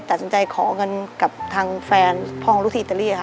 ตัดสินใจขอเงินกับทางแฟนพ่อของลูกที่อิตาลีค่ะ